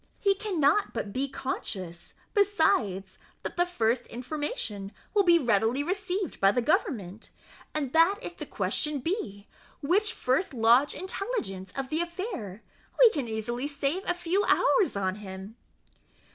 He cannot but be conscious, besides, that the first information will be readily received by government, and that if the question be, which can first lodge intelligence of the affair, we can easily save a few hours on him."